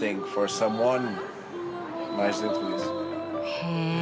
へえ。